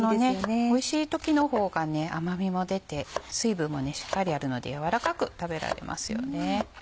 おいしい時の方が甘みも出て水分もしっかりあるので軟らかく食べられますよね。